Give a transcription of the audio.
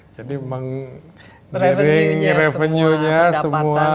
jadi mengiringi revenue nya semua